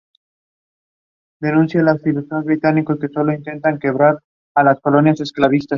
Se distinguió como agitador, organizador y propagandista.